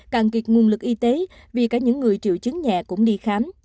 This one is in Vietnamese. càng kiệt nguồn lực y tế vì cả những người triệu chứng nhẹ cũng đi khám